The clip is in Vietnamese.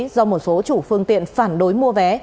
do một số chủ phương tiện phản đối mua vé